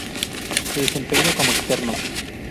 Se desempeña como externo.